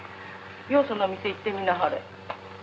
よその店、行ってみなはれ。